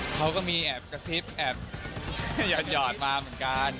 เขาก็มีแอบกระซิบแอบหยอดมาเหมือนกัน